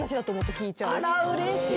あらうれしい！